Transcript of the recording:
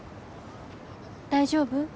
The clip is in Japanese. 大丈夫？